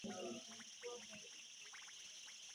Umekuwa ukiandika sentensi ngapi kwa siku